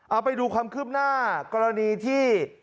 เอาไปดูความคืบหน้ากรณีที่